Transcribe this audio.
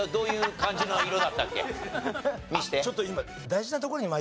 ちょっと今。